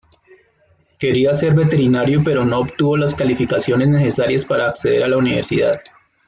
Quería ser veterinario pero no obtuvo las calificaciones necesarias para acceder a la universidad.